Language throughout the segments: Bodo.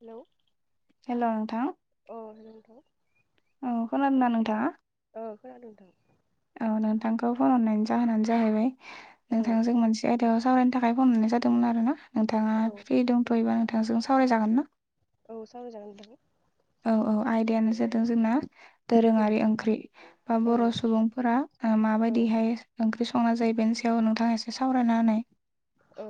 हेलौ हेल' नोंथां औ [unintelligible] औ खोनादोंना नोंथाङा? औ खोनादों नोंथां औ नोंथांखौ फन हरनायनि जाहोनानो जाहैबाय औ नोंथांजों मोनसे आयदायाव सावरायनो थाखाय फन होननाय जादोंमोन आरो ना नोंथाङा औ फ्रि दंथ'योबा नोंथांजों सावरायजागोन ना औ सावराय जागोन नोंथां औ औ आइदायानो जोंना उम दोरोङारि ओंख्रि बा औ बर' सुबुंफोरा ओ औ माबायदिहाय ओंख्रि स'ङो संना जायो बेनि सायाव नोंथाङा एसे सावरायना होनाय ओ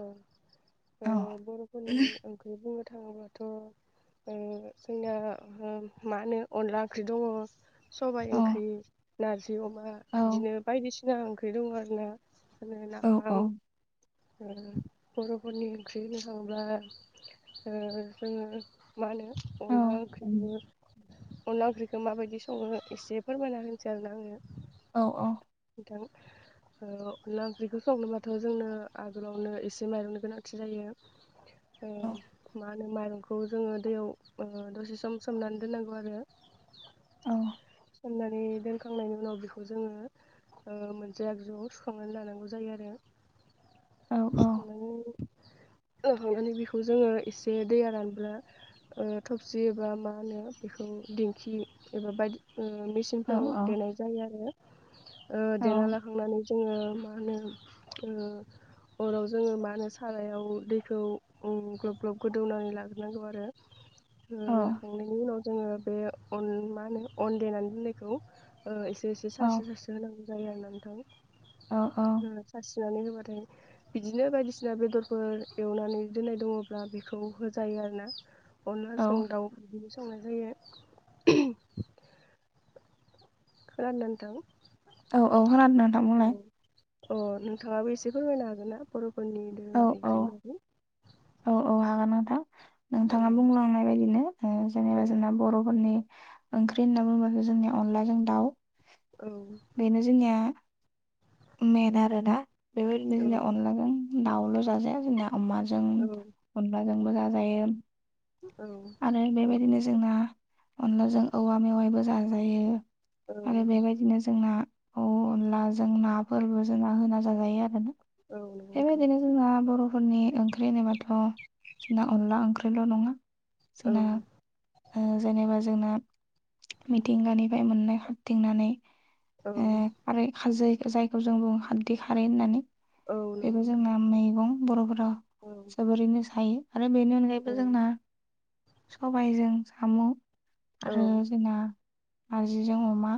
ओ औ बर'फोरनि ओंख्रि बुंनो थाङोब्लाथ' ओ जोंना मा होनो अनला ओंख्रि दङ सबाइ औ ओंख्रि नारजि ओंख्रि अमा औ बिदिनो बायदिसिना ओंख्रि दं आरोना औ औ नाफाम [unintelligible] लोगोफोरनि ओंख्रि होनो थांब्ला जोङो मा होनो औ अनला ओंख्रि खौबो अनला ओंख्रिखौ माबायदि सङो एसे फोरमायना होनोसै आरोना आङो। औ औ ओ अनला ओंख्रिखौ संनोबाथ' जोंनो आगोलावनो एसे माइरंनि गोनांथि जायो ओ मा माइरंखौ जोङो दैयाव ओ दसे सम सोमनानै दोननांगौ आरो औ अननानै दोनखांनायनि उनाव बेखौ जोङो ओ मोनसे आगजुआव सुखांनानै लानांगौ जायो आरो औ सुखांनानै [inaudible] होखांनानै बिखौ जोङो एसे दैया रानबोब्ला ओ थफसि एबा मा होनो बेखौ दिंखि एबा बायदि ओ मेसिनफ्राव देनाय जायो आरो। ओ औ देना लाखांनानै जोङो मा मा होनो ओ [inaudible] अराव जोङो मा होनो सारायाव दैखौ उम ग्लब ग्लब गोदौनानै लाग्रोनांगौ आरो ओ औ लाखांनायनि उनाव जोङो बे अन माहोनो अन देनानै दोननायखौ ओ एस से से सारस्रो सारस्रो होनांगौ जायो आरो नोंथां। औ ओ सारस्रिनानै होबा फ्राय बिदिनो बायदिसिना बेदरफोर एवनानै दोननाय दङब्ला बेखौ होजायो आरो ना। अनलाजों औ दाउ बिदिनो संनाय जायो। खोनांदोंना नोंथां? औ औ खोनादों नोंथां बुंलाय। अ नोंथाङाबो एसे फोरमायनो हागोन ना बरफोरनि औ दोंरोंङारि आरो औ ओंख्रिनि बागै। औ औ हागोन नोंथां नोंथाङा औ बुंलांनाय बायदिनो ओ औ नंगौ नोंथां औ नंगौ नोंथां औ नंगौ नोंथां औ नंगौ नोंथां औ नंगौ नोंथां औ नंगौ नोंथां औ नंगौ नोंथां औ नंगौ नोंथां औ नंगौ नोंथां औ जेनेबा जोंना बरफोरनि ओंख्रि होनना बुंङोब्लाथ' जोंनिया अनलाजों दाउ बेनो जोंनिया मेेन आरोना बेबायदिनो जोंया अनलाजों दाउल जाजाया जोंना अमाजों अनलाजोंबो जाजायो। आरो बेबायदिनो जोंना अनलाजों औवा मेवायबो जाजायो। आरो बेबायदिनो जोंना औ अनलाजों नाफोरबो जोंना होना जाजायो आरो ना। बेबायदिनो जोंना बर' फोरनि ओंख्रि होनोबाथ' जोंना अनला ओंख्रिल नङा जोंना ओ जेनेबा जोंना मिथिंगानिफाय मोननाय खारथिंनानैै ओ खारै खाजै जायखौ जों बुङो खारदै खारै होननानै बेबो जोंना मैगं बर'फोर जोबोरैनो सायो आरो बेनि अनगायैबो जोंना सबायजों साम आरो जोंना नारजिजों अमा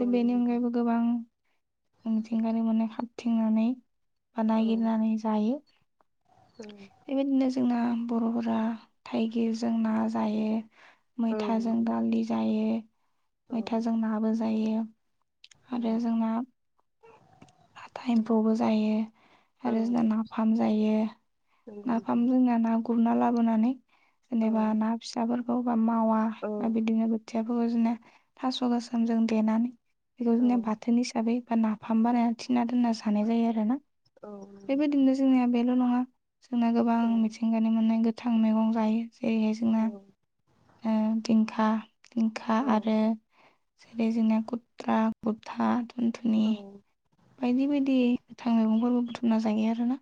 थो बेनि अनगायैबो गोबां मिथिंगारि मान्नाय खाबथिंनानै बा नागिरनानै जायो। बेबायदिनो जोंना बर'फोरा थाइगिरजों ना जायो। मैथाजों दालि जायो मैथाजों नाबो जायो। आरो जोंना लाथा एमफौबो जायो। आरो जोंना नाफाम जायो। नाफाम जोंना ना गुरना लाबोनानै जेनेबा ना फिसाफोरखौ बा मावा बा बिदिनो बोथि याफोरखौ जोंना थास' गोसोमजों देनानै बेखौ जोंनिया बाथोन हिसाबै बा ना फाम बानायना थिना दोनना जानाय जायो आरोना बेबायदिनो जोंनिया बेल' नङा। जोंना गोबां मिथिंगानि मोननाय गोथां मैगं जानाय जायो जेरैहाय जोंना ओ दिंखा दिंखा आरो जेरै जोंना खुथ्रा बुथा औ बायदि बायदि गोथां मैगंफोरबो बुथुमना जायो आरोना।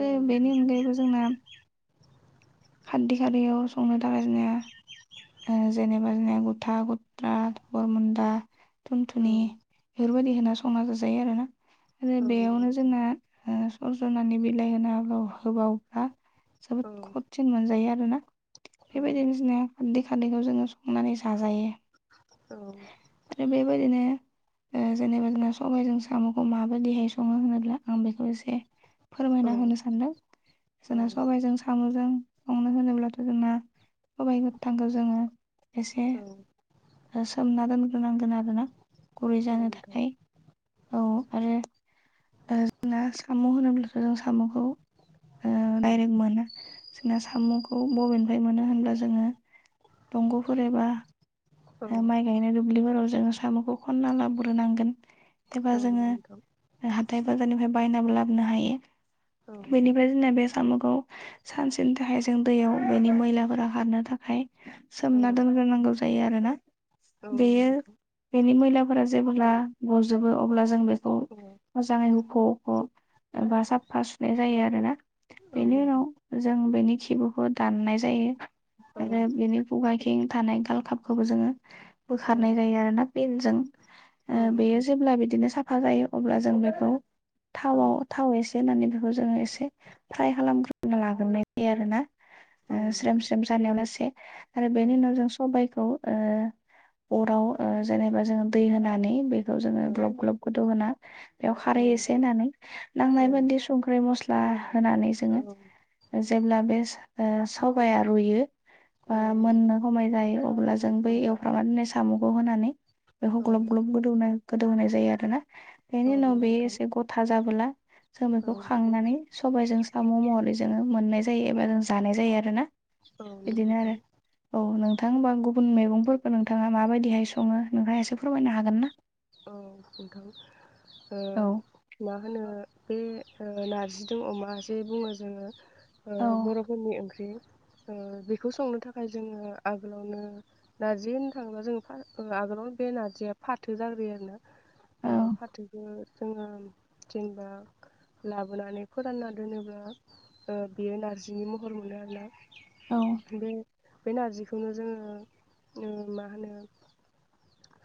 ओ बेनि अनगायैबो जोंना खारदै खारियाव संनो थाखाय जोंनिया ओ जेनेबा जोंनिया गुथा गुथ्रा गरमुन्दा थुनथुनि बेफोर बायदि होना संना जा जायो आरोना आरो बेयावनो जोंना ओ सजनानि बिलाइ होना होबाव होबावब्ला जोबोद खुवाद सिन मोनजायो आरोना। बेबायदिनो जोंनिया खारदैखौ जोङो संनानै जाजायो। आरो बेबायदिनो ओ जेनेबा जोंना सबायाइजों साम'खौ माबायदिहाय सङो होनोब्ला आं बेखौ एसे फोरमायना होनो सानदों जोंना सबायजों साम'जों संनो होनोब्लाथ' जोंना सबाय गोथांखौ जोङो एसे ओ सोमना दोनग्रोनांगोन आरो ना गुरै जानो थाखाय। औ आरो ओ जोंना साम' होनोब्लाथ' जों साम'खौ ओ डाइरेक्ट मोना। जोंना साम'खौ बबेनिफ्राय मोनो होनब्ला जोङो दंग'फोर एबा ओ माइ गायनाय दुब्लिफोराव जोङो साम'खौ खनना लाबग्रोनांगोन। एबा औ नंगौ जोङो नोंथां हाथाय बाजारनिफ्राय बायनाबोलाबोनो हायो। औ बेनिफ्राय जोंना साम'खौ सानसेनि थाखाय जों दैयाव बेनि मैलाफोरा खारनो थाखाय औ सोमना दोनग्रोनांगौ जायो आरोना औ नंगौ बेयो नोंथां बेनि मैला फोरा जेब्ला गजोबो अब्ला जों बेखौ मोजाङै हुख' हख' एबा साफा सुनाय जायो आरोना औ बेनि उनाव जों बेनि खिबुखौ दाननाय जायो नंगौ आरो बेनि खुगाथिं थानाय गालखाबखौबो जोङो औ बोखारनाय जायो आरो ना पिनजों औ ओ बेयो नंगौ जेब्ला बिदिनो साफा फा जायो अब्ला जों बेखौ नोंथां थावाव थाव एसे होननानै बेखौ जोङो एसे फ्राय खालामग्रोनो लाग्रोनाय जायो आरो ना। औ ओ स्रेम नंगौ स्रेम जानायावलासे आरो बेनि उनाव नोंथां जों सबायखौ अराव ओ जेनेबा जोङो दै होनानै बेखौ जोङो ग्लब ग्लब गोदौ होना बेयाव औ खारै एसे होननानै नांनाय बादि संख्रै मस्ला होनानै औ जोङो ओ जेब्ला बे स-सबाइया रुयो बा औ मोननो नंगौ हमाय जायो अब्ला जों नोंथां औ बै ए नाय साम'खौ होनानै बेखौ औ ग्लब ग्लब गोदौ गोदौ होनाय जायो आरो ना। एनि औ उनाव बेयो नंगौ नोंथां औ नंगौ नोंथां एसे गथा जाबोला जों औ बेखौ नोंथां खांनानै सबायजों साम' महरै जोङो मोननाय जायो एबा जों जानाय जायो आरोना। इदिनो आरो औ नोंथां ओमबा आं गुबुन गुबुन मैगंफोरखौ नोंथाङा माबायदिहाय सङो नोंथाङासो फोरमायनो हागोन ना? औ नोंथां ओ औ मा होनो बे नारजि दो अमा जे बुङो जोङो औ बर'फोरनि ओंख्रि। जोङो बेखौ संनो थाखाय जोङो आगोलावनो नारजै होनो थाङोबा जोङो आगोलावनो बे नारजिया फाथो जाबाय आरोना औ ओ फाथोखो जोङो जेनेबा लाबोनानै फोरानना दोनोब्ला ओ बेयो नारजिनि महर मोनो आरोना। औ बे बे नारजिखौनो जोङो ओ मा होनो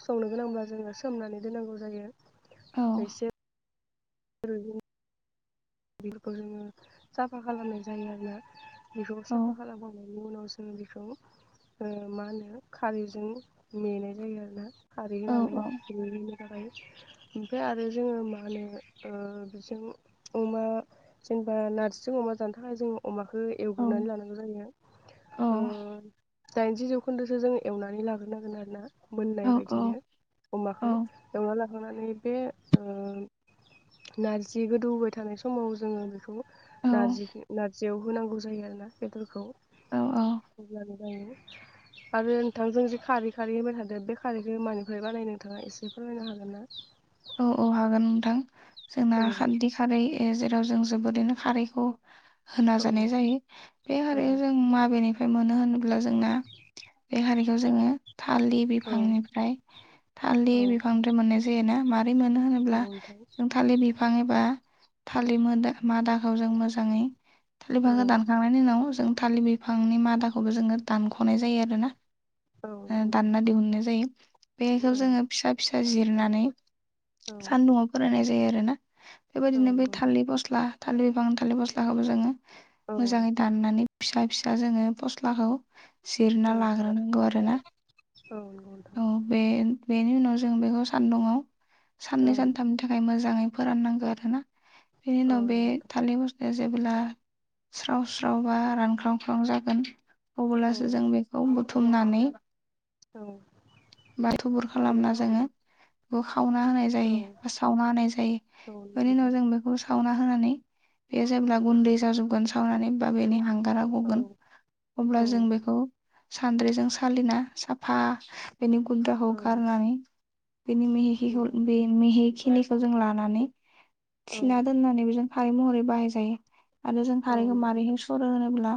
संनो गोनांब्ला जोङो सोमनानै दोननांगौ जायो औ एसे [unintelligible] बेफोरखौ जोङो साफा खालामनाय जायो आरोना बेफोरखौ औ साफा खालामखांनायनि उनाव जो बेखौ ओ मा होनो खारैजों मेनाय जायो आरो ना खारै होनानै औ बिनो थाखाय ओमफ्राय आरो जोङो मा होनो ओ बिजों अमा जेनेबा नारजिजों अमा जानो थाखाय जों अमा खौ औ एवग्रोनानै लानांगौ जायो। दाइनजि जौखोन्दोसो जों एवनानै लाग्रोनांगोन आरो ना। औ मोननाय औ बायदिनो अमाखौ एवना ला खांनानै बे ओ नारजि गोदौबाय थानाय समाव जोङो बेखौ औ नारजि नारजियाव होनांगौ जायो आरो ना बेदरखौ औ औ अब्लानो आरो नोंथां जों जि खारै खारै होनबाय थादो बे खारैखो मानिफ्राय बानायो नोंथाङा एसे फो फोरमायनो हागोन ना? औ औ हागोन नोंथां जोंना औ खारदि खारै एजे जों जोबोरैनो खारैखौ होना औ जानाय जायो बे औ खारैखौजों माबेनि फ्राय मोनो होनोब्ला जोंना बे खारिखौ जोङो थालि औ बिफांनिफ्राय थालि औ बिफांनिफ्राय मोननाय जायोना मारै मोनो औ होनोब्ला नोंथां जों थालि बिफां एबा थालि मोला मादा खौ जों मोजाङै थालि औ बिफांखो दानखांनायनि उनाव जों थालि बिफांनि मादाखौबो जोङो दानख'नाय जायो आरो ना औ ओ नंगौ दानना नोंथां दिहुननाय जायो बेखौ औ जोङो फिसा फिसा जिरनानै औ सानदुआव फोराननाय जायो आरोना? बेबायदिनो औ बै नंगौ थालि फस्ला थालिर बिफां थालि फस्लाखौबो जोङो नोंथां औ मोजाङै दाननानै फिसा फिसा जोङो फस्लाखौ जिरना औ लाग्रोनांगौ आरो ना औ बे बेनि उनाव जों बेखौ सानदुङाव साननै सानथामनि थाखाय मो जाङै फोराननांगो आरोना बेनि औ नंगौ नोंथां औ उनाव बे नंगौ नोंथां थालि फ जेब्ला स्राव स्रावबा रानख्रांख्राव जागोन औ अब्लासो जों बेखौ बुथुमनानै औ बा थुबुर खालामना जोङो सावना होनाय औ जायो बा सावना होनाय जायो औ बेनि नंगौ उनाव नोंथां जों बेखौ सावना होनानै बेयो जेब्ला गुन्दै जाजोबगोन सावनानै बा बेनि हां गारा औ गगोन अब्ला औ नंगौ नोंथां औ नंगौ नोंथां औ नंगौ नोंथां औ नंगौ नोंथां औ नंगौ नोंथां औ नंगौ नोंथां औ नंगौ नोंथां औ नंगौ नोंथां औ जों नंगौ नोंथां औ बेखौ सान्द्रिजों सालिना साफा बेनि गुद्राखौ गारनानै बेनि मिहिखिखौ बे मेहिखिनिखौ जों लानानै औ थिना दोननानै बेजों खारै महरै बाहाय जायो आरो जों खारैखौ मारैहाय सरो होनोब्ला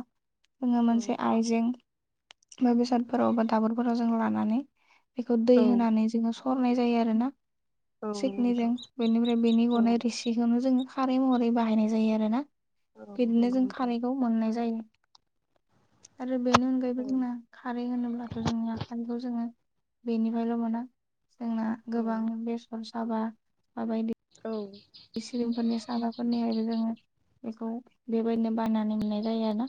जोङो मोनसे आइजें बा बेसादफोराव बा दाबोरफोराव जों लानानै बेखौ दै होनानै जोङो सरनाय जायो आरोना सिकनिजों बेनिफ्राय बेनि गनाय रिसिखौनो जोङो खारै महरै बाहायनाय जायो आरो ना बिदिनो जों खारैखौ मोननाय जायो। आरो बेनि अनगायै जोंना खारै होनोब्लाथ' जोंनि खारैखौ जोङो बेनिफ्रायल' मोना जोंना गोबां बेसर साबा औ सिलिंफोरनि सादाफोरनिहायबो जोङो बेखौ बेबायदिनो बायनानै मोननाय जायो आरोना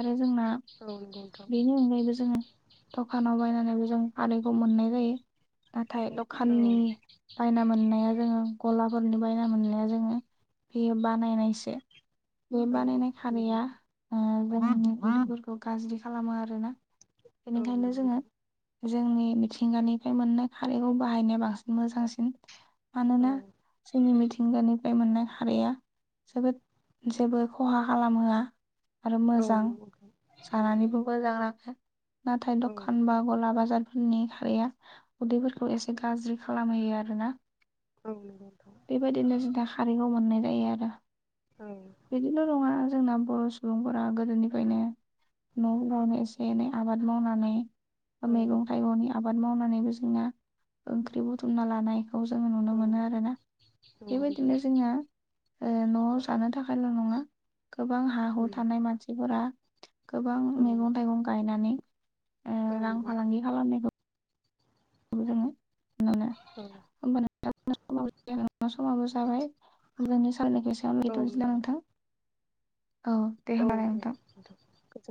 आरो जोंना बेनि अनगायैबो जोङो दखानाव बायनानैबो जों खारैखौ मोननाय जायो नाथाय दखाननि बायना मोननाया जोङो गला फलनि बायना मोननाया जोङो बेयो बानायनायसो बे बानायनाय खारैया जोंनि उदैफोरखौ गाज्रि खालामो आरोना बेनिखायनो जोङो जोंनि मिथिंगानिफ्राय मोननाय खारैखौ बाहायनाया बांसिन मोजांसिन मानोना जोंनि मिथिंगानिफ्राय मोननाय खारैया जोबोद जेबो खहा खालामोहोआ आरो मोजां जानानैबो मोजां नाङो। नाथाय दखान बा गला बाजार नि खारैया उदैफोरखौ एसे गाज्रि खालामहैयो आरोना बेबायदिनो जोंहा खारैखौ मोननाय जायो आरो बिदिल' नङा जोंना बर' सुबुंफोरा गोदोनिफ्रायनो न'फोरावनो एसे एनै आबाद मावनानै मैगं थाइगंनि आबाद मावनानैबो जोंना ओंख्रि बुथुमना लानाय खौ जोङो नुनो मोनो नंगौ आरो ना नोंथां बेबायदिनो जोंना ओ न'आव जानो थाखायल' नङा गोबां हा हु उम थानाय मानसिफोरा गोबां औ मैगं थाइगं गायनानै ओ औ रां नंगौ फालांगि नोंथां खालामनायखौ खौ जोङो मोनो औ [inaudible] समाबो जाबाय [unintelligible] [unintelligible] औ औ नंगौ नामा नोंथां औ दे होमबालाय नोंथां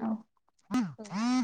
औ